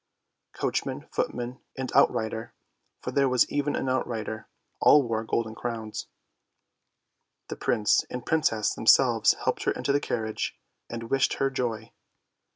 Coachman, footman, and outrider, for there was even an outrider, all wore golden crowns. The Prince and Princess themselves helped her into the carriage and wished her joy.